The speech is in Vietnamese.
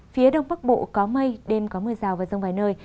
phía đông bắc bộ có mây đêm có mưa rào và rông vài nơi